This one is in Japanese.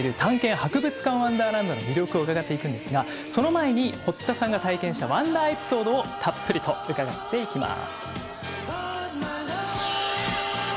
博物館ワンダーランド」の魅力を伺っていくんですがその前に堀田さんが体験したワンダーエピソードをたっぷりと伺っていきます。